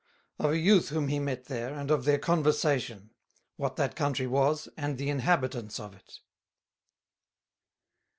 _Of a Youth whom he met there, and of their Conversation: what that country was, and the Inhabitants of it.